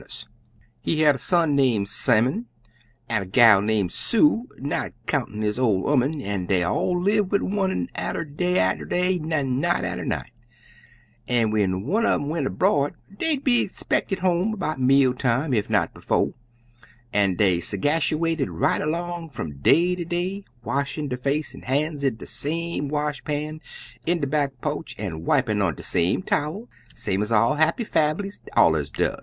"He had a son name Simmon, an' a gal name Sue, not countin' his ol' 'oman, an' dey all live wid one an'er day atter day, an' night atter night; an' when one un um went abroad, dey'd be spected home 'bout meal time, ef not befo', an' dey segashuated right along fum day ter day, washin' der face an' han's in de same wash pan in de back po'ch, an' wipin' on de same towel same ez all happy famblies allers does.